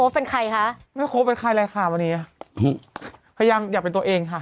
เป็นใครคะไม่ครบเป็นใครเลยค่ะวันนี้พยายามอยากเป็นตัวเองค่ะ